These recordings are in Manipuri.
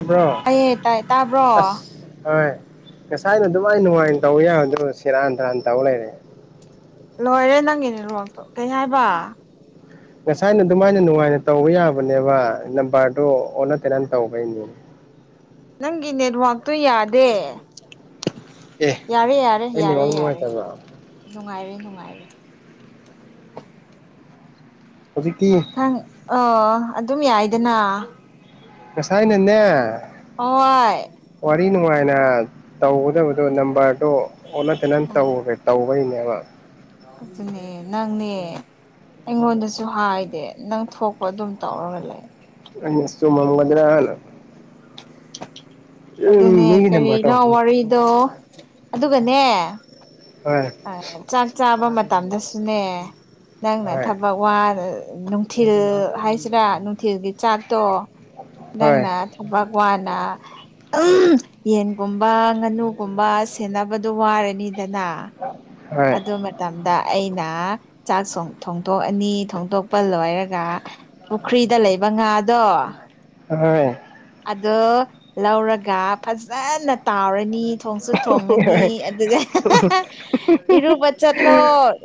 ꯍꯕ꯭ꯔꯣ ꯇꯥꯏꯌꯦ ꯇꯥꯏ ꯇꯥꯕ꯭ꯔꯣ ꯑꯁ ꯍꯣꯏ ꯉꯁꯥꯏꯅ ꯑꯗꯨꯃꯥꯏꯅ ꯅꯨꯡꯉꯥꯏꯅ ꯇꯧꯕ ꯌꯥꯒꯗ꯭ꯔꯣ ꯁꯦꯔꯥꯟ ꯇꯔꯥꯟ ꯇꯧ ꯂꯩꯔꯦ ꯂꯣꯏꯔꯦ ꯅꯪꯒꯤꯅꯦ ꯂꯣꯔꯣꯛꯇꯣ ꯀꯩꯅ ꯍꯥꯏꯕ ꯉꯁꯥꯏꯅ ꯑꯗꯨꯃꯥꯏꯅ ꯅꯨꯡꯉꯥꯏꯅ ꯇꯧꯕ ꯌꯥꯕꯅꯦꯕ ꯅꯝꯕ꯭ꯔꯗꯨꯣ ꯑꯣꯟꯅ ꯇꯩꯅꯅ ꯇꯧꯕꯩꯅꯦ ꯅꯪꯒꯤ ꯅꯦꯠꯋꯥꯛꯇꯣ ꯌꯥꯗꯦ ꯑꯩ ꯌꯥꯔꯦ ꯌꯥꯔꯦ ꯌꯥꯔꯦ ꯅꯦꯠꯋꯥꯛ ꯌꯥꯔꯦ ꯅꯨꯡꯉꯥꯏꯇꯕ꯭ꯔꯣ ꯅꯨꯡꯉꯥꯏꯔꯦ ꯅꯨꯡꯉꯥꯏꯔꯦ ꯍꯧꯖꯤꯛꯇꯤ ꯈꯪ ꯑ ꯑꯗꯨꯝ ꯌꯥꯏꯗꯅ ꯉꯁꯥꯏ ꯅꯅꯦ ꯑꯣꯥꯏ ꯉꯥꯏꯅ ꯇꯧꯒꯗꯕꯗꯣ ꯅꯝꯕ꯭ꯔꯗꯣ ꯑꯣꯜꯂ ꯇꯅ ꯎꯝ ꯇꯧꯈ꯭ꯔꯦ ꯇꯧꯕꯒꯤꯅꯦꯕ ꯑꯗꯨꯅꯦ ꯅꯪꯅꯦ ꯑꯩꯉꯣꯟꯗꯁꯨ ꯍꯥꯏꯗꯦ ꯅꯪ ꯊꯣꯛꯄ ꯑꯗꯨꯝ ꯇꯧꯔꯒ ꯂꯩ ꯑꯩ ꯆꯨꯨꯝ ꯃꯝꯒꯗꯔꯥ ꯅꯥ ꯑꯗꯨꯅꯦ ꯃꯤꯒꯤ ꯅꯝꯕꯔ ꯀꯔꯤꯅꯣ ꯇꯧ ꯋꯥꯔꯤꯗꯣ ꯑꯗꯨꯒꯅꯦ ꯍꯣꯏ ꯆꯥꯛ ꯆꯥꯕ ꯃꯇꯝꯗꯁꯨꯅꯦ ꯅꯪꯅ ꯍꯣꯏ ꯊꯕꯛ ꯋꯥ ꯅꯨꯡꯊꯤꯜ ꯍꯥꯏꯁꯤꯔꯥ ꯅꯨꯡꯊꯤꯜꯒꯤ ꯆꯥꯛꯇꯣ ꯍꯣꯏ ꯅꯪꯅ ꯊꯕꯛ ꯋꯥꯅ ꯌꯦꯟꯒꯨꯝꯕ ꯉꯥꯅꯨꯒꯨꯝꯕ ꯁꯦꯟꯅꯕꯗꯣ ꯋꯥꯔꯅꯤꯗꯅ ꯍꯣꯏ ꯑꯗꯨ ꯃꯇꯝꯗ ꯑꯩꯅ ꯆꯥꯛ ꯊꯣꯡꯗꯣꯛꯑꯅꯤ ꯊꯣꯡꯗꯣꯛꯄ ꯂꯣꯏꯔꯒ ꯄꯨꯈ꯭ꯔꯤꯗ ꯂꯩꯕ ꯑꯉ ꯑꯗꯣ ꯍꯣꯏ ꯑꯗꯣ ꯂꯧꯔꯒ ꯐꯖꯅ ꯇꯥꯎꯔꯅꯤ ꯊꯣꯡꯁꯨ ꯊꯣꯡꯉꯅꯤ ꯍꯣꯏ ꯑꯗꯨꯒ ꯏꯔꯨꯕ ꯆꯠꯂꯣ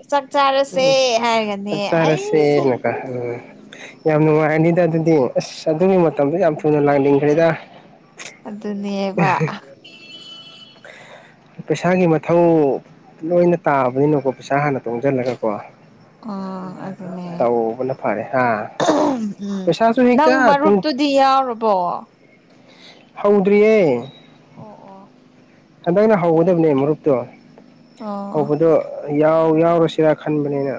ꯆꯥꯛ ꯆꯥꯔꯁꯦ ꯎꯝ ꯍꯥꯏꯔꯒꯅꯦ ꯑꯩꯁꯦ ꯎ ꯌꯥꯝꯅꯨꯡ ꯑꯗꯨꯗꯤ ꯑꯁ ꯑꯗꯨꯒꯤ ꯃꯇꯝꯗꯣ ꯌꯥꯝ ꯊꯨꯅ ꯂꯥꯡꯅꯤꯡꯈ꯭ꯔꯦꯗ ꯑꯗꯨꯅꯦꯕ ꯄꯩꯁꯥꯒꯤ ꯃꯊꯧ ꯂꯣꯏꯅ ꯇꯥꯕꯅꯤꯅꯀꯣ ꯄꯩꯁꯥ ꯍꯥꯟꯅ ꯇꯣꯡꯁꯤꯜꯂꯒꯀꯣ ꯎꯝ ꯇꯧꯕꯅ ꯐꯔꯦ ꯍꯥ ꯎꯝ ꯎꯝ ꯄꯩꯁꯥꯁꯨ ꯅꯪ ꯍꯦꯛꯇ ꯃꯔꯨꯞꯇꯨꯗꯤ ꯌꯥꯎꯔꯕꯣ ꯍꯧꯗ꯭ꯔꯤꯌꯦ ꯑꯣ ꯑꯣ ꯍꯟꯗꯛꯅ ꯍꯧꯒꯗꯕꯅꯦ ꯃꯔꯨꯞꯇꯣ ꯑꯣ ꯑꯣ ꯍꯧꯕꯗꯣ ꯌꯥꯎ ꯌꯥꯎꯔꯁꯤꯔꯥ ꯈꯟꯕꯅꯤꯅ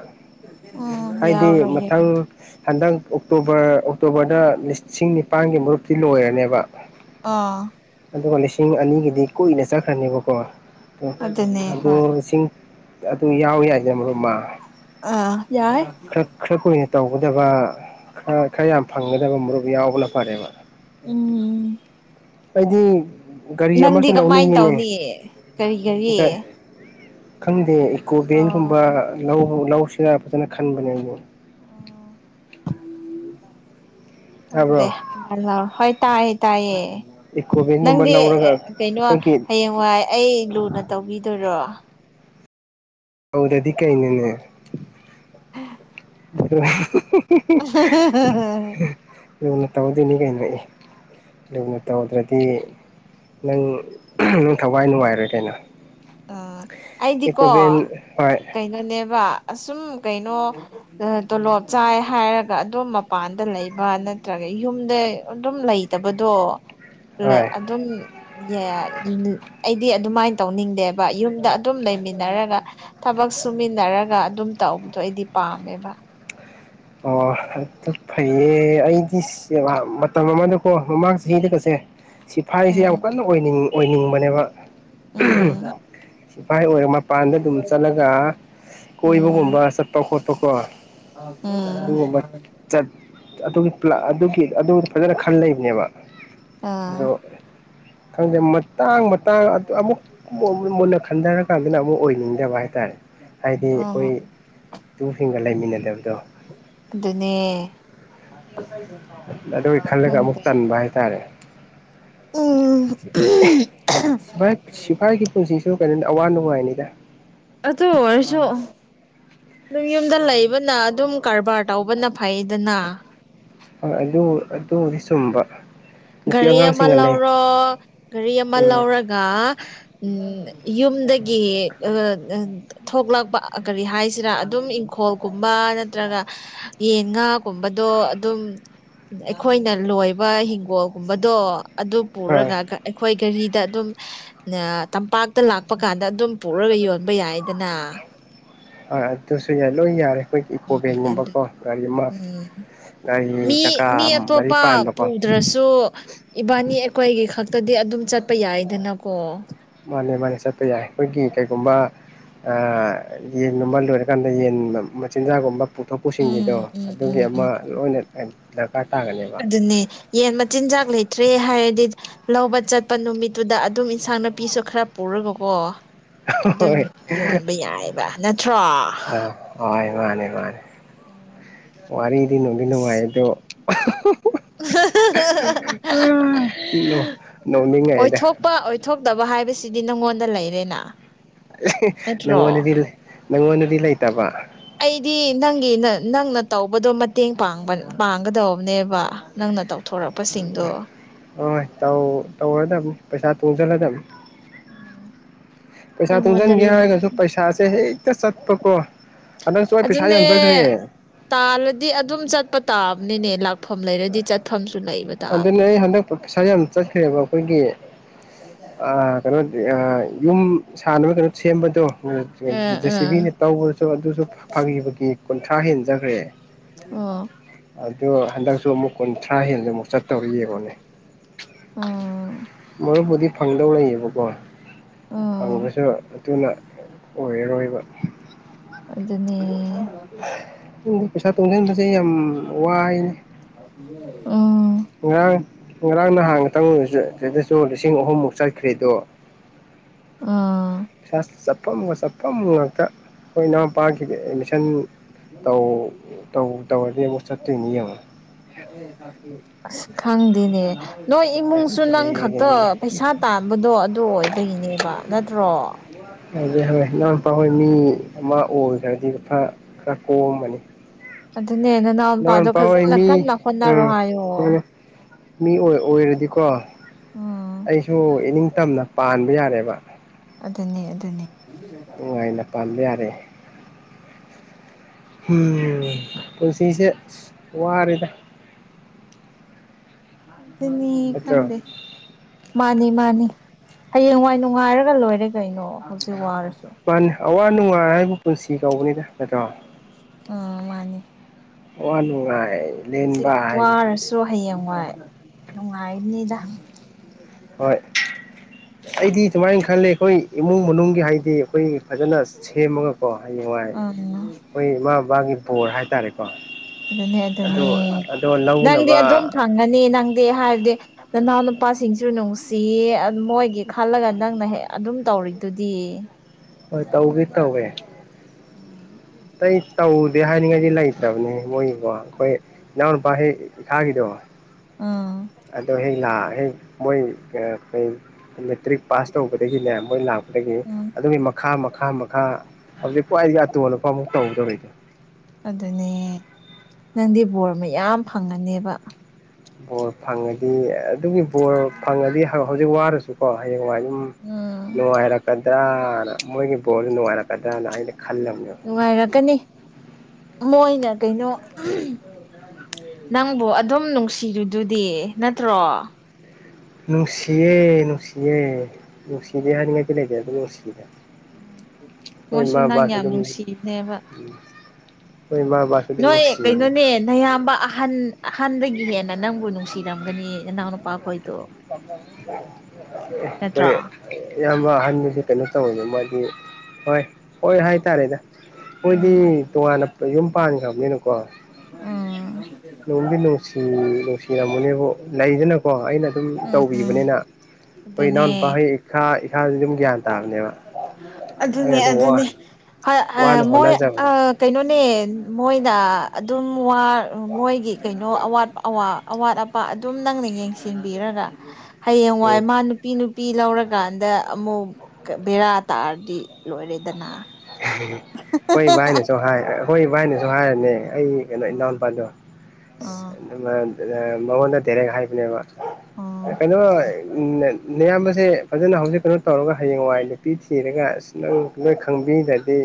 ꯎꯝ ꯍꯥꯏꯗꯤ ꯌꯥꯎꯔꯣꯏ ꯃꯊꯪ ꯌꯥꯎꯔꯣꯏ ꯍꯟꯗꯛ ꯑꯣꯛꯇꯣꯕꯔ ꯑꯣꯛꯇꯣꯕꯔꯗ ꯂꯤꯁꯤꯡ ꯅꯤꯄꯜꯒꯤ ꯃꯔꯨꯛꯇꯇꯤ ꯂꯣꯏꯔꯅꯦꯕ ꯑꯥ ꯑꯗꯨꯒ ꯂꯤꯁꯤꯡ ꯑꯅꯤꯒꯤꯗꯤ ꯀꯨꯏꯅ ꯆꯠꯈ꯭ꯔꯅꯦꯕꯀꯣ ꯑ ꯑꯗꯨꯅꯦ ꯍꯣꯏ ꯑꯗꯨꯗꯣ ꯂꯤꯁꯤꯡ ꯑꯗꯨ ꯌꯥꯎꯏꯤ ꯍꯥꯏꯁꯦ ꯑꯃꯨꯞꯃ ꯑꯥ ꯌꯥꯏꯦ ꯀꯨꯏꯅ ꯇꯧꯒꯗꯕ ꯈꯔ ꯈꯔ ꯌꯥꯝ ꯐꯪꯒꯗꯕ ꯃꯔꯨꯞ ꯌꯥꯎꯕꯅ ꯐꯔꯦꯕ ꯎꯝ ꯑꯩꯗꯤ ꯒꯥꯔꯤ ꯅꯪꯗꯤ ꯑꯃꯁꯨ ꯀꯃꯥꯏꯅ ꯂꯧꯅꯤꯡꯉꯤꯅꯦ ꯇꯧꯅꯤ ꯀꯔꯤ ꯀꯔꯤ ꯈꯪꯗꯦ ꯏꯀꯣ ꯑꯣ ꯚꯦꯟꯒꯨꯝꯕ ꯂꯧꯁꯤꯗ ꯐꯖꯅ ꯈꯟꯕꯅꯦ ꯑꯅꯦ ꯈꯪꯗꯦ ꯇꯥꯕ꯭ꯔꯣ ꯍꯣꯏ ꯇꯥꯏꯌꯦ ꯇꯥꯏꯌꯦ ꯏꯀꯣ ꯚꯦꯟꯒꯨꯝꯕ ꯅꯪꯗꯤ ꯂꯧꯔꯒ ꯀꯩꯅꯣ ꯑꯩꯈꯣꯏꯒꯤ ꯍꯌꯦꯡꯋꯥꯏ ꯑꯩ ꯂꯨꯅ ꯇꯧꯕꯤꯗꯣꯏꯔꯣ ꯍꯧꯗꯗꯤ ꯀꯥꯏꯩꯅꯅꯦ ꯎ ꯑ ꯌꯟꯅ ꯇꯧꯗꯅꯤ ꯀꯅ ꯑꯗꯨꯅ ꯇꯧꯗ꯭ꯔꯗꯤ ꯅꯪ ꯅꯪ ꯊꯋꯥꯏ ꯅꯨꯡꯉꯥꯏꯔꯦ ꯀꯩꯅꯣ ꯑꯥ ꯑꯩꯗꯤꯀꯣ ꯏꯀꯣꯚꯦꯟ ꯍꯣꯏ ꯀꯩꯅꯣꯅꯦꯕ ꯑꯁꯨꯝ ꯀꯩꯅꯣ ꯇꯣꯂꯣꯞ ꯆꯥꯏ ꯍꯥꯏꯔꯒ ꯑꯗꯨꯝ ꯃꯄꯥꯟꯗ ꯂꯩꯕ ꯅꯠꯇ꯭ꯔꯒ ꯌꯨꯝꯗ ꯑꯗꯨꯝ ꯂꯩꯇꯕꯗꯣ ꯍꯣꯏ ꯑꯗꯨꯝ ꯑꯩꯗꯤ ꯑꯗꯨꯃꯥꯏꯅ ꯇꯧꯅꯤꯡꯗꯦ ꯌꯨꯝꯗ ꯑꯗꯨꯝ ꯂꯩꯃꯤꯟꯅꯔꯒ ꯊꯕꯛ ꯁꯨꯃꯤꯟꯅꯔꯒ ꯑꯗꯨꯝ ꯇꯧꯕꯗꯣ ꯑꯩꯗꯤ ꯄꯥꯝꯃꯦꯕ ꯑꯣ ꯑꯗꯨ ꯐꯩꯌꯦ ꯑꯩꯗꯤ ꯃꯇꯝ ꯑꯃꯗꯀꯣ ꯃꯃꯥꯡ ꯍꯗ ꯀꯁꯦ ꯁꯤꯐꯥꯏꯁꯦ ꯌꯥꯝ ꯎꯝ ꯀꯟꯅ ꯑꯣꯏꯅꯤꯡ ꯑꯣꯏꯅꯤꯡꯕꯅꯦꯕ ꯎꯝ ꯏꯐꯥꯏ ꯑꯣꯏꯔꯣ ꯃꯄꯥꯟꯗ ꯑꯗꯨꯝ ꯆꯠꯂꯒ ꯎꯝ ꯀꯣꯏꯕꯒꯨꯝꯕ ꯆꯠꯄ ꯈꯣꯠꯄꯀꯣ ꯎꯝ ꯎ ꯆꯠ ꯑꯗꯨꯝ ꯑꯗꯨꯒꯤ ꯑꯗꯨ ꯐꯖꯅ ꯈꯟ ꯂꯩꯕꯅꯦꯕ ꯑꯥ ꯑꯗꯣ ꯈꯪꯗꯦ ꯇꯥꯡꯕ ꯇꯥꯡ ꯑꯃꯨꯛ ꯃꯨꯟꯅ ꯈꯟꯊꯔꯀꯥꯟꯗꯅ ꯑꯃꯨꯛ ꯑꯣꯏꯅꯤꯡꯗꯕ ꯍꯥꯏꯇꯥꯔꯦ ꯍꯥꯏꯗꯤ ꯑꯣ ꯑꯩꯈꯣꯏ ꯇꯨꯁꯤꯡꯁꯤꯡꯒ ꯂꯩꯃꯤꯟꯅꯗꯕꯗꯣ ꯑꯗꯨꯅꯦ ꯑꯗꯨꯒꯤ ꯈꯜꯂꯒ ꯑꯃꯨꯛ ꯑ ꯇꯟꯕ ꯍꯥꯏꯇꯥꯔꯦ ꯎꯝ ꯁꯤꯐꯥꯏ ꯁꯤꯐꯥꯏꯒꯤ ꯄꯨꯟꯁꯤꯁꯨ ꯀꯩꯅꯣꯅꯤ ꯑꯋꯥ ꯅꯨꯡꯉꯥꯏꯅꯤꯗ ꯑꯣ ꯑꯣꯏꯔꯁꯨꯣ ꯑꯗꯨꯝ ꯌꯨꯝꯗ ꯂꯩꯕꯅ ꯑꯗꯨꯝ ꯀꯔꯕꯥꯔ ꯇꯧꯕꯅ ꯐꯩꯗꯅ ꯑꯗꯨ ꯑꯗꯨꯣꯗꯤ ꯆꯨꯝꯕ ꯅꯨꯄꯤ ꯘꯔꯤ ꯑꯃ ꯑꯉꯥꯡꯁꯤꯡꯒ ꯂꯩ ꯂꯧꯔꯣ ꯘꯔꯤ ꯑꯃ ꯎꯝ ꯂꯧꯔꯒ ꯎꯝ ꯌꯨꯝꯗꯒꯤ ꯊꯣꯛꯂꯛꯄ ꯀꯔꯤ ꯍꯥꯏꯁꯤꯔ ꯑꯗꯨꯝ ꯏꯪꯈꯣꯜꯒꯨꯝꯕ ꯅꯠꯇ꯭ꯔꯒꯟ ꯒꯨꯝꯕꯗꯣ ꯑꯗꯨꯝ ꯑꯩꯈꯣꯏꯅ ꯂꯣꯏꯕ ꯍꯤꯡꯒꯣꯜ ꯨꯝꯕꯗꯣ ꯑꯗꯨ ꯍꯣꯏ ꯄꯨꯔꯒ ꯑꯩꯈꯣꯏ ꯘꯔꯤ ꯗ ꯑꯗꯨꯝ ꯇꯝꯄꯥꯛꯇ ꯂꯥꯛꯄ ꯀꯥꯟꯗ ꯑꯗꯨꯝ ꯄꯨꯔꯒ ꯌꯣꯟꯕ ꯌꯥꯏꯗꯅ ꯍꯣꯏ ꯑꯗꯨꯁꯨ ꯌꯥꯏ ꯂꯣꯏ ꯌꯥꯔꯦ ꯑꯩꯈꯣꯏꯒꯤ ꯏꯀꯣ ꯎꯝ ꯑꯗꯨ ꯚꯦꯟꯒꯨꯝꯕꯀꯣ ꯒꯥꯔꯤ ꯑꯃ ꯎꯝ ꯒꯥꯔꯤ ꯃꯤ ꯃꯤ ꯆꯀꯥ ꯃꯔꯤ ꯑꯇꯣꯞꯄ ꯄꯥꯟꯕꯀꯣ ꯄꯨꯗ꯭ꯔꯁꯨ ꯏꯕꯥꯅꯤ ꯑꯩꯈꯣꯏꯒꯤ ꯈꯛꯇꯗꯤ ꯑꯗꯨꯝ ꯆꯠ ꯆꯠꯄ ꯌꯥꯏꯗꯅꯀꯣ ꯃꯥꯅꯦ ꯃꯥꯅꯦ ꯆꯠꯄ ꯌꯥꯏ ꯑꯩꯈꯣꯏꯒꯤ ꯀꯩꯒꯨꯝꯕ ꯌꯦꯟꯒꯨꯝꯕ ꯂꯣꯏꯔꯀꯥꯟꯗ ꯌꯦꯟ ꯃꯆꯤꯟꯖꯥꯛꯒꯨꯝꯕ ꯊꯄꯨ ꯎꯝ ꯁꯤꯡꯗꯣ ꯎꯝ ꯑꯗꯨꯒꯤ ꯎꯝ ꯑꯃ ꯎꯝ ꯂꯣꯏꯅ ꯗꯔꯀꯥꯔ ꯇꯥꯒꯅꯦꯕ ꯑꯗꯨꯅꯦ ꯌꯦꯟ ꯃꯆꯤꯟꯖꯥꯛ ꯂꯩꯇ꯭ꯔꯦ ꯍꯥꯏꯔꯗꯤ ꯂꯧꯕ ꯆꯠꯄ ꯅꯨꯃꯤꯠꯇꯨꯗ ꯑꯗꯨꯝ ꯏꯟꯁꯥꯡ ꯅꯥꯄꯤꯁꯨ ꯈꯔ ꯄꯨꯔꯒꯀꯣ ꯑꯗꯨꯝ ꯌꯣꯟꯕ ꯌꯥꯏꯑꯕ ꯅ ꯍ ꯃꯥꯅꯤ ꯃꯥꯅꯤ ꯋꯥꯔꯤꯗꯤ ꯅꯅꯨꯡꯗ ꯅꯅꯨꯡꯉꯥꯏꯗꯣ ꯑ ꯑꯣꯏꯊꯣꯛꯄ ꯑꯣꯏꯊꯣꯛꯇꯕ ꯍꯥꯏꯕꯁꯤꯗꯤ ꯅꯪꯉꯣꯟꯗ ꯂꯩꯔꯦꯅ ꯅꯠꯇ꯭ꯔꯣ ꯅꯪꯉꯣꯟꯗꯗꯤ ꯅꯪꯉꯣꯟꯗꯗꯤ ꯂꯩꯇꯕ ꯑꯩꯗꯤ ꯅꯪꯒꯤ ꯅꯪꯅ ꯇꯧꯕꯗꯣ ꯃꯇꯦꯡ ꯄꯥꯡꯕ ꯄꯥꯡꯒꯗꯧꯕꯅꯦꯕ ꯅꯪꯅꯧ ꯑ ꯇ ꯇꯧ ꯑꯣꯏ ꯅ ꯄꯩꯁꯥ ꯇ ꯗꯂꯗꯝ ꯄꯩꯁꯥ ꯅꯪꯉꯣꯟꯗ ꯇꯨꯡꯁꯤꯟꯒꯦ ꯂꯣꯏ ꯍꯥꯏꯔꯒꯁꯨ ꯄꯩꯁꯥꯁꯦ ꯍꯦꯛꯇ ꯆꯠꯄꯀꯣ ꯍꯟꯗꯛꯁꯨ ꯑꯩ ꯄꯩꯁꯥ ꯑꯗꯨꯅꯦ ꯌꯥꯝ ꯆꯠꯈ꯭ꯔꯦ ꯇꯥꯜꯂꯗꯤ ꯑꯗꯨꯝ ꯆꯠꯄ ꯇꯥꯕꯅꯤꯅꯦ ꯂꯥꯛ ꯃꯐꯝ ꯂꯩꯔꯗꯤ ꯆꯠꯐꯝꯁꯨ ꯂꯩꯕꯗ ꯑꯗꯨꯅꯦ ꯑꯩ ꯍꯟꯗꯛ ꯄꯩꯁꯥ ꯌꯥꯝ ꯆꯠꯈ꯭ꯔꯦꯕ ꯑꯩꯈꯣꯏꯒꯤ ꯀꯩꯅꯣ ꯌꯨꯝ ꯁꯥꯟꯅꯕ ꯀꯩꯅꯣ ꯁꯦꯝꯕꯗꯣ ꯖꯦ ꯑꯥ ꯑꯥ ꯁꯤꯕꯤꯅ ꯇꯧꯕꯗꯁꯨ ꯑꯗꯨ ꯁ ꯐꯥꯒꯤ ꯐꯒꯤ ꯀꯨꯟꯊ꯭ꯔꯥ ꯍꯦꯟꯖꯈ꯭ꯔꯦ ꯑꯣ ꯑꯗꯣ ꯍꯟꯗꯛꯁꯨ ꯑꯃꯨꯛ ꯀꯨꯟꯊ꯭ꯔꯥ ꯍꯦꯜꯗ ꯑꯃꯨꯛ ꯆꯠꯇꯧꯔ ꯌꯦꯡꯉꯣꯅꯦ ꯑꯣ ꯃꯔꯨꯞꯄꯨꯗꯤ ꯐꯪꯗꯧ ꯂꯩꯌꯦꯕꯀꯣ ꯑꯣ ꯐꯪꯕꯁꯨ ꯑꯗꯨꯅ ꯑꯣꯏꯔꯔꯣꯏꯕ ꯑꯗꯨꯗꯅꯤꯅꯦ ꯄꯩꯁꯥ ꯇꯨꯡꯁꯤꯟꯕꯁꯦ ꯌꯥꯝ ꯋꯥꯏꯅꯦ ꯑ ꯉꯔꯥꯡ ꯉꯔꯥꯡ ꯅꯍꯥꯟ ꯉꯇꯪ ꯑꯣꯏ ꯁꯤꯗꯁꯨ ꯂꯤꯁꯤꯡ ꯑꯍꯨꯝꯃꯨꯛ ꯆꯠꯈ꯭ꯔꯦꯗꯣ ꯑꯥ ꯄꯩ ꯆꯠꯐꯝꯒ ꯆꯠꯐꯝ ꯉꯥꯛꯇ ꯑꯩꯈꯣꯏ ꯏꯅꯥꯎꯄꯥꯒꯤꯗꯤ ꯑꯦꯠꯃꯤꯁꯟ ꯇꯧ ꯇ ꯇꯅꯤ ꯑꯕꯁ ꯇꯦꯡꯅꯤ ꯌꯥꯝ ꯈꯪꯗꯅꯦ ꯅꯣꯏ ꯏꯃꯨꯡꯁꯨ ꯅꯪ ꯈꯛꯇ ꯌꯥꯗ꯭ꯔꯦ ꯄꯩꯁꯥ ꯇꯥꯟꯕꯗꯣ ꯑꯗꯨ ꯑꯣꯏꯕꯒꯤꯅꯦꯕ ꯅꯠꯇ꯭ꯔꯣ ꯍ ꯑꯗꯨꯗꯤ ꯍꯣꯏ ꯏꯅꯥꯎ ꯅꯨꯄꯥ ꯍꯣꯏ ꯃꯤ ꯑꯃ ꯑꯣꯏꯗ꯭ꯔꯔꯗꯤ ꯂꯨ ꯈꯔ ꯈꯔ ꯀꯣꯑꯝꯕꯅꯤ ꯑꯗꯨꯅꯦ ꯅꯅꯥꯎ ꯅꯨꯄꯥꯗꯣ ꯐꯖꯅ ꯀꯟꯅ ꯍꯣꯠꯅꯔꯣ ꯎꯝ ꯍꯥꯏꯌꯣ ꯃꯥꯅꯦ ꯃꯤ ꯑꯣꯏꯔꯗꯤꯀꯣ ꯎꯝ ꯑꯩꯁꯨ ꯏꯅꯤꯡ ꯇꯝꯅ ꯄꯥꯟꯕ ꯌꯥꯔꯦꯕ ꯑꯗꯨꯅꯦ ꯑꯗꯨꯅꯦ ꯅꯨꯡꯉꯥꯏꯅ ꯄꯥꯟꯕꯥ ꯌꯥꯔꯦ ꯎꯝ ꯄꯨꯣꯏꯁꯤꯁꯦ ꯑꯣꯔꯗ ꯑꯗꯨꯅꯤ ꯅꯠꯇ꯭ꯔꯣ ꯈꯪꯗꯦ ꯃꯥꯅꯤ ꯏꯃꯅꯤ ꯍꯌꯦꯡꯋꯥꯏ ꯅꯨꯡꯉꯥꯏꯔꯒ ꯂꯣꯏꯔꯦ ꯀꯩꯅꯣ ꯍꯧꯖꯤꯛ ꯋꯥꯔꯁꯤ ꯃꯥ ꯑꯋꯥ ꯅꯨꯡꯉꯥꯏ ꯍꯥꯏꯕꯨ ꯄꯨꯟꯁꯤ ꯀꯥꯎꯕꯅꯤꯗ ꯅ꯭ꯔꯣ ꯑ ꯃꯥꯅꯦ ꯋꯥꯅꯅꯨꯡꯉꯥꯏ ꯍꯧꯖꯤꯛ ꯋꯥꯔꯁꯨ ꯍꯌꯦꯡ ꯋꯥꯏ ꯅꯨꯡꯉꯥꯏꯅꯤꯗ ꯍꯣꯏ ꯑꯩꯗꯤ ꯁꯨꯃꯥꯏꯅ ꯈꯂꯦ ꯑꯩꯈꯣꯏ ꯏꯃꯨꯡ ꯃꯅꯨꯡꯒꯤ ꯍꯥꯏꯗꯤ ꯑꯩꯈꯣꯏ ꯐꯖꯅ ꯁꯦꯝꯃꯒ ꯀꯣ ꯍꯌꯦꯡꯉ ꯎꯝ ꯑꯩꯈꯣꯏ ꯏꯃꯥꯕꯥꯒꯤ ꯕꯣꯔ ꯍꯥꯏꯇꯥꯔꯦꯀꯣ ꯑꯗꯨꯅꯦ ꯑꯗꯨ ꯑꯗꯨꯅꯦ ꯑꯗꯣ ꯅꯪꯗꯤ ꯂꯧꯅꯕ ꯑꯗꯨꯝ ꯐꯪꯉꯅꯤ ꯅꯪꯗꯤ ꯍꯥꯏꯔꯗꯤ ꯅꯅꯥꯎ ꯅꯨꯄꯥꯁꯤꯡꯁꯨ ꯅꯨꯡꯁꯤꯌꯦ ꯃꯣꯏꯒꯤ ꯈꯜꯂꯒ ꯅꯪꯅ ꯍꯦꯛ ꯑꯗꯨꯝ ꯇꯧꯔꯤꯗꯨꯗꯤ ꯍꯣꯏ ꯇꯧꯒꯦ ꯇꯧꯋꯦ ꯑꯣ ꯑꯇꯩ ꯇꯧꯗꯦ ꯍꯥꯏꯅꯤꯡꯉꯥꯏꯗꯤ ꯂꯩꯇꯕꯅꯤ ꯃꯣꯏꯒꯤꯕꯣ ꯑꯩꯈꯣꯏ ꯏꯅꯥꯎꯅꯨꯄꯥ ꯍꯦꯛ ꯏꯁꯥꯒꯤꯗꯣ ꯑꯗꯣ ꯍ ꯂ ꯍ ꯃꯣꯏ ꯀ ꯇ꯭ꯔꯤꯛ ꯄꯥꯁ ꯇꯧꯕꯗꯒꯤꯅꯦ ꯃꯣꯏ ꯂꯥꯛꯄꯗꯒꯤ ꯎꯝ ꯑꯗꯨꯒꯤ ꯃꯈꯥꯥ ꯃꯈꯥ ꯃꯈꯥ ꯍꯧꯖꯤꯛ ꯈ꯭ꯋꯥꯏꯗꯒꯤꯇꯣꯜꯂꯛꯄ ꯑꯃꯨꯛ ꯇꯧꯗꯧꯔꯤꯁꯦ ꯑꯗꯨꯅꯦ ꯅꯪꯗꯤ ꯕꯣꯔ ꯃꯌꯥꯝ ꯐꯪꯉꯅꯦꯕ ꯕꯣꯔ ꯐꯪꯉꯗꯤ ꯑꯗꯨꯒꯤ ꯕꯣꯔ ꯐꯪꯉꯗꯤ ꯍꯧꯖꯤꯛ ꯋꯥꯔꯁꯨꯀꯣ ꯍꯌꯦꯡ ꯋꯥ ꯁꯝ ꯎꯝ ꯅꯨꯡꯉꯥꯏꯔꯛꯀꯗ꯭ꯔꯅ ꯃꯣꯏꯒꯤ ꯕꯣꯜꯗ ꯅꯨꯡꯉꯥꯏꯔꯛꯀꯗ꯭ꯔꯅ ꯍꯥꯏꯗꯤ ꯅꯨꯡꯉꯥꯏꯔꯛꯀꯅꯤ ꯃꯣꯏꯅ ꯀꯩꯅꯣ ꯅꯪꯕꯨ ꯑꯗꯨꯝ ꯅꯨꯡꯁꯤꯔꯤꯗꯨꯗꯤ ꯅꯠꯇ꯭ꯔꯣ ꯅꯨꯡꯁꯤꯑꯦꯅꯨꯡ ꯁꯤꯑꯦ ꯁꯤꯗ ꯌꯥꯅꯤ ꯂꯩꯒꯦ ꯑꯗꯨ ꯂꯁꯤꯗ ꯃꯣꯏꯁꯨ ꯅꯪ ꯌꯥꯝ ꯅꯨꯡꯁꯤꯅꯦꯕ ꯑꯩꯈꯣꯏ ꯏꯃꯥ ꯕꯕꯥꯁꯨ ꯑꯗꯨꯝ ꯅꯣꯏ ꯅꯨꯡꯁꯤꯕꯅꯦ ꯀꯩꯅꯣꯅꯦ ꯅꯌꯥꯝꯕ ꯑꯍꯟ ꯍꯥꯟꯗꯒꯤ ꯍꯦꯟꯅ ꯅꯪꯕꯨ ꯅꯨꯡꯁꯤꯔꯝꯒꯅꯤ ꯅꯅꯥꯎ ꯅꯨꯄꯥ ꯀꯏ ꯅꯠꯇ꯭ꯔꯣ ꯑꯌꯥꯝꯕ ꯑꯍꯥꯟꯕꯁꯦ ꯀꯩꯅꯣ ꯇꯧꯋꯦꯕ ꯃꯥꯗꯤ ꯍꯣꯏ ꯍꯣꯏ ꯍꯥꯏꯇꯥꯔꯦꯗ ꯃꯣꯏꯗꯤ ꯎꯝ ꯑꯗꯨꯅꯦ ꯇꯣꯉꯥꯟꯅ ꯌꯨꯝ ꯄꯥꯟꯈ꯭ꯔꯕꯅꯤꯅ ꯀꯣ ꯎꯝ ꯂꯣꯡꯕꯤ ꯅꯨꯡꯗꯤ ꯅꯨꯡꯁꯤ ꯅꯨꯡꯁꯤꯔꯝꯃꯅꯦꯕ ꯂꯩꯗꯅꯀꯣ ꯑꯩꯅ ꯁꯨꯝ ꯎꯝ ꯎꯝ ꯇꯧꯕꯤꯕꯅꯤꯅ ꯑꯩꯈꯣꯏ ꯏꯅꯥꯎ ꯑꯗꯨꯅꯦ ꯅꯨꯄꯥꯍꯩ ꯏꯈꯥ ꯏꯈꯥ ꯑꯗꯨꯝ ꯒ꯭ꯌꯥꯟ ꯇ ꯑꯗꯨꯅꯦ ꯑꯗꯨꯅꯦ ꯋꯥ ꯑ ꯋꯥꯅ ꯃꯣꯏ ꯑ ꯍꯣꯠꯅꯖꯕꯗꯣ ꯀꯩꯅꯣꯅꯦ ꯃꯣꯏꯅ ꯑꯗꯨꯝ ꯃꯣꯏꯒꯤ ꯀꯩꯅꯣ ꯑꯋꯥꯠ ꯑꯋꯥ ꯑꯋꯥꯠ ꯑꯄꯥ ꯑꯗꯨꯝ ꯅꯪꯅ ꯌꯦꯡꯁꯤꯟꯕꯤꯔꯒ ꯎꯝ ꯍꯌꯦꯡꯋꯥꯏ ꯃꯥ ꯅꯨꯄꯤ ꯅꯨ ꯄꯤ ꯂꯧꯔꯀꯥꯟꯗ ꯑꯃꯨꯛ ꯕꯦꯔꯥ ꯇꯥꯔꯗꯤ ꯂꯣꯏꯔꯦꯗꯅ ꯍꯣꯏ ꯚꯥꯏꯅꯁꯨ ꯍꯥꯏ ꯍꯣꯏ ꯚꯥꯏꯅꯁꯨ ꯍꯥꯏꯔꯅꯦ ꯑꯩ ꯀꯩꯅꯣ ꯏꯟꯅꯥꯎ ꯑꯥ ꯅꯨꯄꯥꯜꯗꯣ ꯑ ꯃꯉꯣꯟꯗ ꯗꯥꯏꯔꯦꯛ ꯍꯥꯏꯕꯅꯦꯕ ꯑꯥ ꯀꯩꯅꯣ ꯑꯌꯥꯝꯕꯁꯦ ꯐꯖꯅ ꯍꯧꯖꯤꯛ ꯀꯩꯅꯣ ꯇꯧꯔꯒ ꯍꯌꯦꯡꯋꯥꯏ ꯅꯨꯄꯤ ꯊꯤꯔꯒ ꯑꯁ ꯅꯪ ꯂꯣꯏ ꯈꯪꯕꯤ ꯁꯤꯗꯗꯤ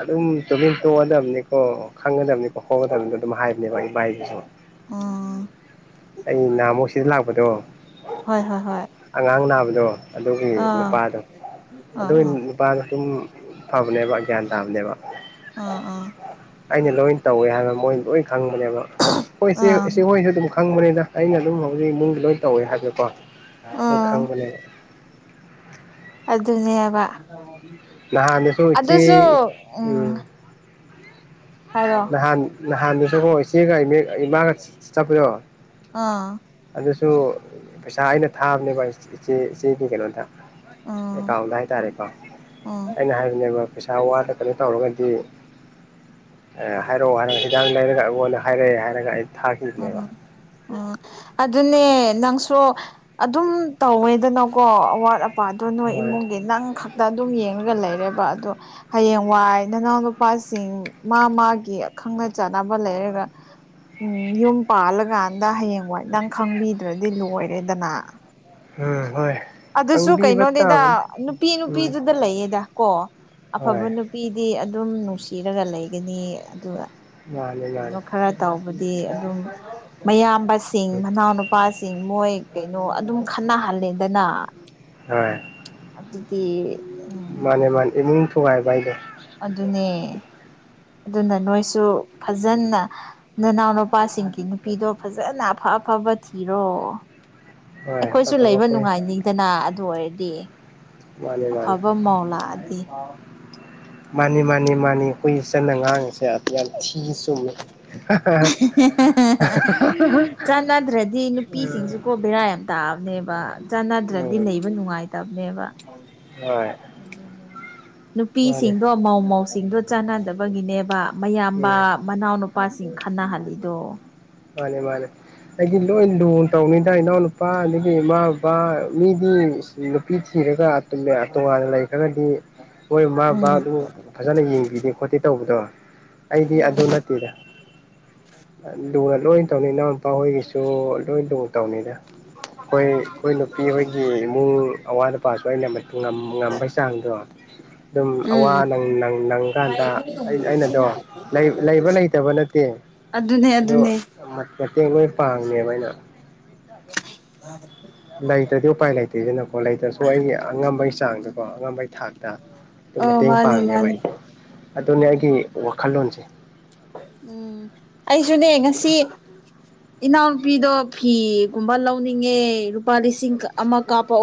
ꯑꯗꯨꯝ ꯇꯨꯃꯤꯟ ꯇꯣꯛꯑꯗꯕꯅꯤꯀꯣ ꯈꯪꯒꯗꯕꯅꯤꯀꯣ ꯈꯣꯒꯗꯕꯅꯤꯗꯣ ꯑꯗꯨꯝ ꯍꯥꯏ ꯅꯦꯕ ꯏꯕꯥꯥꯏꯗꯨꯁꯨ ꯑꯥ ꯑꯩ ꯅꯍꯥꯃꯨꯛ ꯁꯤꯗ ꯂꯥꯛꯄꯗꯣ ꯍꯣꯏ ꯍꯣꯏ ꯍꯣꯏ ꯑꯉꯥꯡ ꯅꯥꯕꯗꯣ ꯑꯗꯨꯒꯤ ꯑꯥ ꯅꯨꯄꯥꯗꯣ ꯑꯥ ꯑꯗꯨ ꯑꯥ ꯅꯨꯄꯥꯅ ꯑꯗꯨꯝ ꯐꯕꯅꯦꯕ ꯒ꯭ꯌꯥꯟ ꯇꯥꯕꯅꯦꯕ ꯑꯥ ꯑꯥ ꯑꯩꯅ ꯂꯣꯏ ꯇꯧꯋꯦ ꯍꯥꯏꯕ ꯃꯣꯏ ꯂꯣꯏ ꯈꯪꯕꯅꯦꯕ ꯍꯣꯏ ꯏꯦ ꯑꯥ ꯏꯆꯦ ꯍꯣꯏꯁꯨ ꯑꯗꯨꯝ ꯈꯪꯕꯅꯤꯗ ꯑꯩꯅ ꯑꯗꯨꯝ ꯍꯧꯖꯤꯛ ꯏꯃꯨꯡꯗ ꯂꯣꯏ ꯇꯧꯋꯦ ꯍꯥꯏꯕꯀꯣ ꯂꯣꯏ ꯑꯥ ꯈꯪꯕꯅꯦ ꯑꯗꯨꯅꯦꯕ ꯅꯍꯥꯟꯗꯁꯨ ꯏꯆꯦ ꯑꯗꯨꯁꯨ ꯎꯝ ꯍꯥꯏꯔꯣ ꯅꯍꯥꯟ ꯅꯍꯥꯟꯗꯨꯁꯨ ꯑꯃꯣ ꯏꯆꯦꯒ ꯏꯃꯥꯒ ꯆꯠꯄꯗꯣ ꯑꯥ ꯑꯗꯨꯁꯨ ꯄꯩꯁꯥ ꯑꯩꯅ ꯊꯥꯕꯅꯦꯕ ꯏꯆꯦ ꯏꯆꯦꯒꯤ ꯀꯩꯅꯣꯗ ꯎꯝ ꯑꯦꯀꯥꯎꯟꯗ ꯍꯥꯏꯇꯥꯔꯦꯀꯣ ꯎꯝ ꯑꯩꯅ ꯍꯥꯏꯕꯅꯦꯕ ꯏꯁꯥ ꯋꯥꯗ ꯀꯩꯅꯣ ꯇꯧꯔꯒꯗꯤ ꯍꯥꯏꯔꯛꯑꯣ ꯍꯥꯏꯔꯒ ꯍꯤꯗꯥꯡ ꯂꯩꯔꯒ ꯑꯩꯉꯣꯟꯗ ꯍꯥꯏꯔꯛꯑꯦ ꯍꯥꯏꯔꯒ ꯑꯩ ꯊꯥꯈꯤꯕꯅꯦꯕ ꯎꯝ ꯎꯝ ꯑꯗꯨꯅꯦ ꯅꯪꯁꯨ ꯑꯗꯨꯝ ꯇꯧꯋꯦꯗꯅꯀꯣ ꯑꯋꯥꯠ ꯅꯨꯄꯥꯗꯣ ꯅꯣꯏ ꯍꯣꯏ ꯏꯃꯨꯡꯒꯤ ꯅꯪ ꯈꯛ ꯇ ꯑꯗꯨꯝ ꯌꯦꯡꯉꯒ ꯂꯩꯔꯦꯕ ꯑꯗꯣ ꯍꯌꯦꯡꯋꯥꯏ ꯅꯅꯥꯎꯅ ꯅꯨꯄꯥꯁꯤꯡ ꯃꯥ ꯃꯥꯒꯤ ꯈꯪꯅ ꯆꯥꯅꯕ ꯂꯩꯔꯒ ꯎꯝ ꯌꯨꯝ ꯄꯥꯜꯂꯀꯥꯟꯗ ꯍꯌꯦꯡꯋꯥꯏ ꯅꯪ ꯈꯪꯕꯤꯗ꯭ꯔꯗꯤ ꯂꯣꯏꯔꯦꯗꯅ ꯎꯝ ꯍꯣꯏ ꯑꯗꯨꯁꯨ ꯈꯪꯕꯤꯕ ꯀꯩꯅꯣꯅꯦꯗ ꯇꯥꯕꯅꯤ ꯅꯨꯄꯤ ꯎꯝ ꯅꯨꯄꯤꯗꯨꯗ ꯂꯩꯌꯦꯗ ꯀꯣ ꯑꯐꯕ ꯍꯣꯏ ꯅꯨꯄꯤꯗꯤ ꯑꯗꯨꯝ ꯅꯨꯡꯁꯤꯔꯒ ꯂꯩꯒꯅꯤ ꯑꯗꯨꯒ ꯃꯥꯅꯦ ꯃꯥꯅꯦ ꯀꯩꯅꯣ ꯈꯔ ꯇꯧꯕꯗꯤ ꯑꯗꯨꯝ ꯃꯌꯥꯝꯕꯁꯤꯡ ꯎꯝ ꯃꯅꯥꯎꯅꯨꯄꯥꯁꯤꯡ ꯃꯣꯏ ꯀꯩꯅꯣ ꯑꯗꯨꯝ ꯈꯟꯅꯍꯜꯂꯦꯗꯅ ꯍ ꯑꯗꯨꯗꯤ ꯎꯝ ꯃꯥꯅꯦ ꯃꯥꯅꯦ ꯏꯃꯨꯡ ꯊꯉꯥꯏ ꯥꯏꯗꯣ ꯑꯗꯨꯅꯦ ꯑꯗꯨꯅ ꯅꯣꯏꯁꯨ ꯐꯖꯅ ꯅꯅꯥꯎꯅ ꯅꯨꯄꯥꯁꯤꯡꯒꯤ ꯅꯨꯄꯤꯗꯣ ꯐꯖꯅ ꯑꯐ ꯑꯐꯕ ꯊꯤꯔꯣ ꯍꯣꯏ ꯑꯩꯈꯣꯏꯁꯨ ꯐꯠꯇꯕ ꯂꯩꯕ ꯑꯩꯈꯣꯏ ꯅꯨꯡꯉꯥꯏꯅꯤꯡꯗꯅ ꯑꯗꯨ ꯑꯣꯏꯔꯗꯤ ꯃꯥꯅꯦ ꯃꯥꯅꯦ ꯑꯐꯕ ꯃꯧ ꯂꯥꯛꯑꯗꯤ ꯃꯥꯅꯤ ꯃꯥꯅꯤ ꯃꯥꯅꯤ ꯀꯨꯏ ꯆꯟꯅ ꯉꯥꯡꯉꯤꯁꯦ ꯌꯥꯝ ꯊꯤ ꯆꯨꯝꯃꯤ ꯆꯥꯟꯅꯗ꯭ꯔꯗꯤ ꯎꯝ ꯅꯨꯄꯤꯁꯤꯡꯁꯨꯀꯣ ꯕꯦꯔꯥ ꯌꯥꯝ ꯇꯥꯑꯕꯅꯦꯕ ꯆꯥꯟꯅꯗ꯭ꯔꯗꯤ ꯍꯣꯏ ꯂꯩꯕ ꯅꯨꯡꯉꯥꯏꯇꯕꯅꯦꯕ ꯃꯥꯅꯦ ꯑꯗꯨꯅꯦ ꯅꯨꯄꯤꯁꯤꯡꯗꯣ ꯃꯥꯧ ꯃꯧꯁꯤꯡꯗꯣ ꯆꯥꯟꯅꯗꯕꯒꯤꯅꯦꯕ ꯃꯌꯥꯝꯕ ꯎꯝ ꯃꯅꯥꯎꯅꯨꯄꯥꯁꯤꯡ ꯈꯟꯅꯍꯜꯂꯤꯗꯣ ꯃꯥꯅꯦ ꯃꯥꯅꯦ ꯑꯩꯒꯤꯂꯣ ꯏ ꯂꯟ ꯇꯧꯅꯤ ꯏ ꯏꯅꯥꯎ ꯅꯨꯄꯥ ꯑꯗꯒꯤ ꯏꯃꯥ ꯕꯕꯥ ꯃꯤꯗꯤ ꯅꯨꯄꯤ ꯊꯤꯔꯒ ꯇꯣꯉꯥꯟꯅ ꯂꯩꯈ꯭ꯔꯒꯗꯤ ꯍꯣꯏ ꯃꯥ ꯕꯥ ꯎꯝ ꯑꯗꯨ ꯐꯖꯅ ꯌꯦꯡꯕꯤꯗꯦ ꯈꯣꯠꯇꯦ ꯇꯧꯕꯗꯣ ꯑꯩꯗꯤ ꯑꯗꯨ ꯅꯠꯇꯦꯗ ꯂꯨꯅ ꯂꯣꯏ ꯇꯧꯅꯤ ꯏꯅꯎ ꯅꯨꯄꯥꯍꯣꯏꯒꯤꯁꯨ ꯂꯣꯏ ꯇꯧ ꯇꯧꯅꯤꯗ ꯑꯩꯈꯣꯏ ꯑꯩꯈꯣꯏ ꯅꯨꯄꯤꯍꯣꯏꯒꯤ ꯏꯃꯨꯡ ꯑꯋꯥꯠ ꯑꯄꯥꯁꯨ ꯑꯩꯅ ꯉꯝꯕꯩ ꯆꯥꯡꯗꯣ ꯑꯗꯨꯝ ꯎꯝ ꯑꯋꯥꯪ ꯅꯪꯀꯥꯟꯗ ꯑꯩꯅꯗꯣ ꯂꯩꯕ ꯂꯩꯇꯕ ꯅꯠꯇꯦ ꯑꯗꯨꯅꯦ ꯑꯗꯣ ꯑꯗꯨꯅꯦ ꯃꯇꯦꯡ ꯂꯣꯏ ꯄꯥꯡꯉꯦꯕ ꯑꯩꯅ [unintelligible] ꯂꯩꯇ꯭ꯔꯗꯤ ꯎꯄꯥꯏ ꯂꯩꯇꯦꯗꯅꯀꯣ ꯂꯩꯇ꯭ꯔꯁꯨ ꯑꯩꯒꯤ ꯑꯉꯝꯕꯒꯤ ꯆꯥꯡꯗꯀꯣ ꯑꯉꯝꯕꯩ ꯊꯥꯛꯇ ꯑꯗꯨ ꯑꯣ ꯃꯇꯦꯡ ꯃꯥꯅꯦ ꯄꯥꯡꯅꯦꯕ ꯃꯥꯅꯦ ꯑꯩꯗꯤ ꯑꯗꯨꯅꯦ ꯑꯩꯒꯤ ꯋꯥꯈꯜꯂꯣꯟꯁꯦ ꯎꯝ ꯑꯩꯁꯨꯅꯦ ꯉꯁꯤ ꯏꯅꯥꯎꯅꯨꯄꯤꯗꯣ ꯐꯤꯒꯨꯝꯕ ꯂꯧꯅꯤꯡꯉꯦ ꯂꯨꯄꯥ ꯂꯤꯁꯤꯡ ꯑꯃ ꯀꯥꯞꯄ